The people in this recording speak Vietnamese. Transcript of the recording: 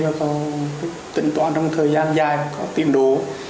và còn tỉnh toán trong thời gian dài có tiềm đủ